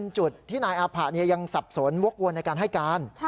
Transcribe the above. ใช่ค่ะ